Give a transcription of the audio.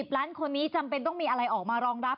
ล้านคนนี้จำเป็นต้องมีอะไรออกมารองรับ